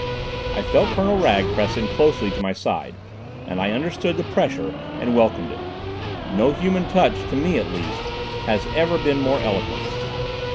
I felt Colonel Wragge press in closely to my side, and I understood the pressure and welcomed it. No human touch, to me at least, has ever been more eloquent.